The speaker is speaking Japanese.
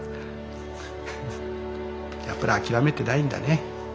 やっぱり諦めてないんだね